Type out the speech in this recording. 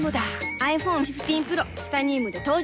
ｉＰｈｏｎｅ１５Ｐｒｏ チタニウムで登場